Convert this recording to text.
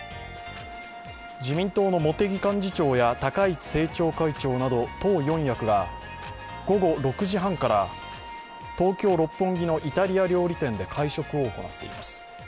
自民党の茂木幹事長や高市政調会長など党四役は午後６時半から東京・六本木のイタリア料理店で会食を行っています。